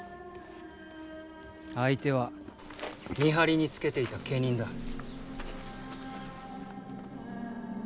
相手は見張りにつけていた家人だ。